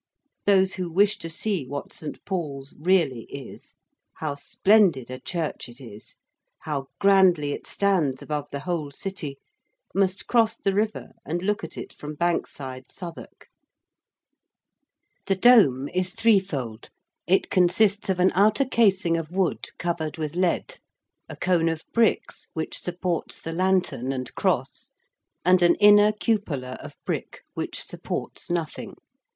Those who wish to see what St. Paul's really is how splendid a church it is how grandly it stands above the whole City must cross the river and look at it from Bankside, Southwark. The dome is three fold: it consists of an outer casing of wood covered with lead: a cone of bricks which supports the lantern and cross: and an inner cupola of brick which supports nothing.